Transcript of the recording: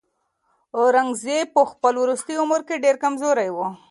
اورنګزېب په خپل وروستي عمر کې ډېر کمزوری و.